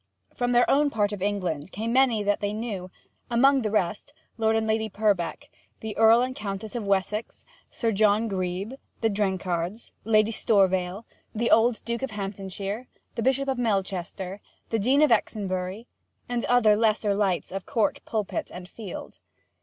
From their own part of England came many that they knew; among the rest, Lord and Lady Purbeck, the Earl and Countess of Wessex, Sir John Grebe, the Drenkhards, Lady Stourvale, the old Duke of Hamptonshire, the Bishop of Melchester, the Dean of Exonbury, and other lesser lights of Court, pulpit, and field.